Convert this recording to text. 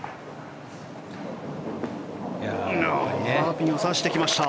ピンをさしてきました。